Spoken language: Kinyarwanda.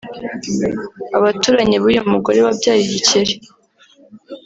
Abaturanyi b’uyu mugore wabyaye igikeri